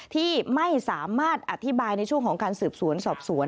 ที่ไม่สามารถอธิบายในช่วงของการสืบสวนสอบสวน